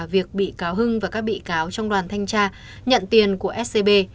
việc bị cáo hưng và các bị cáo trong đoàn thanh tra nhận tiền của scb